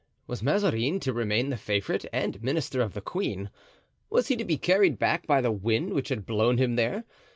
Was Mazarin to remain the favorite and minister of the queen? Was he to be carried back by the wind which had blown him there?